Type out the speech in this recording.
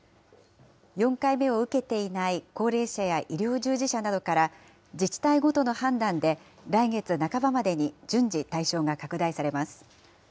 ４回目を受けていない高齢者や医療従事者などから、自治体ごとの判断で来月半ばまでに順次、対象が拡大されます。